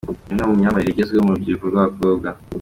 Ni imwe mu myambarire igezweho mu rubyiruko rw’abakobwa.